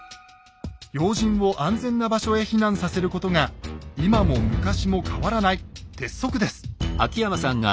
要人を安全な場所へ避難させることが今も昔も変わらない鉄則です。